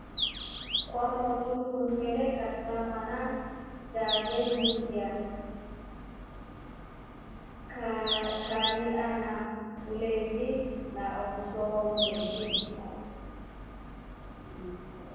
Kwamotu mndumfele akaatra mwana chao vemningia ken ana ulavi na mswa wa umbeke.